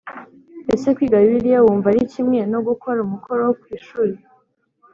Ese kwiga Bibiliya wumva ari kimwe no gukora umukoro wo ku ishuri